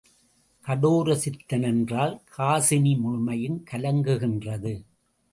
கடோரசித்த னென்றால் காசினி முழுமையுங் கலங்குகின்றது.